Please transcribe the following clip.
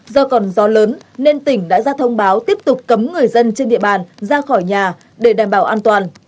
do còn gió lớn nên tỉnh đã ra thông báo tiếp tục cấm người dân trên địa bàn ra khỏi nhà để đảm bảo an toàn